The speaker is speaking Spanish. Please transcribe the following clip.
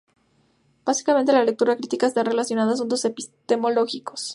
Básicamente la lectura crítica está relacionada a asuntos epistemológicos.